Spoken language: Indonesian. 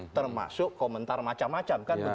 termasuk komentar macam macam kan